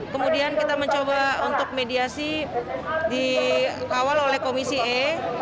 kemudian kita mencoba untuk mediasi dikawal oleh komisi e